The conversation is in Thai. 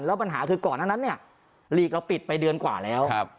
แล้วปัญหาคือก่อนนั้นเนี่ยลีกเราปิดไปเดือนกว่าแล้ว